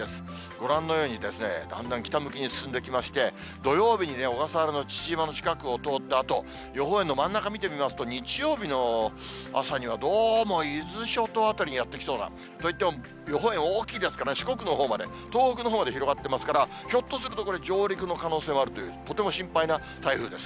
ご覧のように、だんだん北向きに進んできまして、土曜日に小笠原の父島の近くを通ったあと、予報円の真ん中見てみますと、日曜日の朝には、どうも伊豆諸島辺りにやって来そうな、といっても、予報円大きいですから、四国のほうまで、東北のほうまで広がってますから、ひょっとするとこれ、上陸の可能性もあるという、とても心配な台風です。